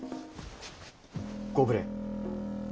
ご無礼。